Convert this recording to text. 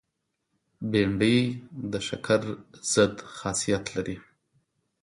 بېنډۍ د شکر ضد خاصیت لري